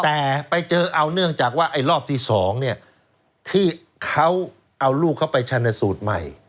แต่ไปเจอเอาเนื่องจากว่าไอ้รอบที่๒เนี่ยที่เขาเอาลูกเขาไปชนสูตรใหม่